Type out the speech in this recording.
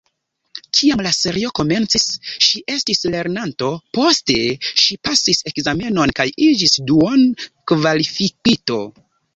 Kiam la serio komencis, ŝi estis lernanto, poste ŝi pasis ekzamenon kaj iĝis duon-kvalifikito.